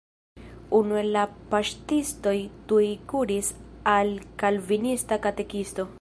Unu el la paŝtistoj tuj kuris al kalvinista katekisto.